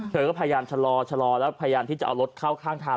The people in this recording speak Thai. เธอก็พยายามชะลอชะลอแล้วพยายามที่จะเอารถเข้าข้างทาง